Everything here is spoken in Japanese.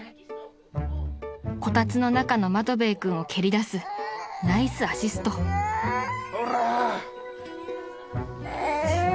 ［こたつの中のマトヴェイ君を蹴りだすナイスアシスト］ほら。